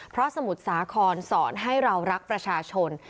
เพราะสมุทรสาครสอนให้เรารักประชาชน